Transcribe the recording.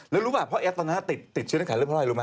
แล้วรู้มั้ยพ่อแอ๊ดตอนนั้นติดเชื้อนในกระแสเรื่องพอร่อยรู้มั้ย